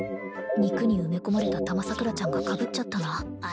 肉に埋め込まれたたまさくらちゃんが被っちゃった